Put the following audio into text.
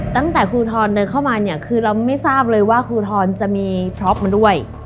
ตั้งแต่ครูทรเดินเข้ามาเนี่ยคือเราไม่ทราบเลยว่าครูทรจะมีพล็อปมาด้วย